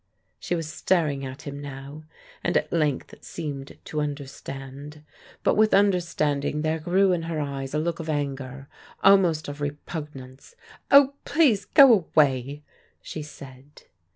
She was staring at him now, and at length seemed to understand. But with understanding there grew in her eyes a look of anger, almost of repugnance. "Oh, please go away!" she said.